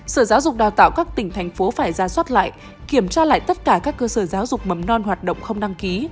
sở giáo dục đào tạo các tỉnh thành phố phải ra soát lại kiểm tra lại tất cả các cơ sở giáo dục mầm non hoạt động không đăng ký